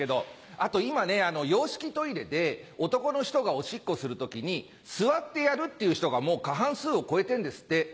あと今ね洋式トイレで男の人がオシッコする時に座ってやるっていう人がもう過半数を超えてんですって。